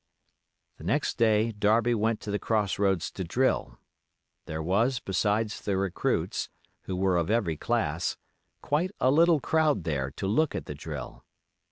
The next day Darby went to the Cross roads to drill; there was, besides the recruits, who were of every class, quite a little crowd there to look at the drill.